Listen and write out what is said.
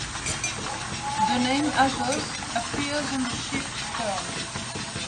The name "Azov" appears on the ship's stern.